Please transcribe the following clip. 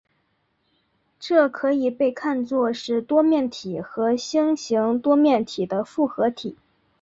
这可以被看作是多面体和星形多面体的复合体。